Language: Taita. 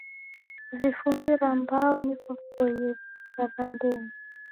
Vifumbi ra mbau nivo viboie varandenyi.